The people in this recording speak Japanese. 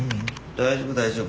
大丈夫大丈夫。